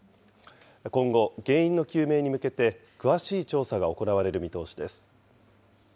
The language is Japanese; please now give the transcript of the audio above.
今後、原因の究明に向けて、詳しい調査が行われる見通しです。